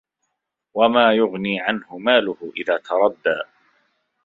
وَما يُغني عَنهُ مالُهُ إِذا تَرَدّى